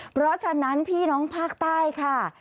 เพราะฉะนั้นพี่น้องภาคใต้ค่ะ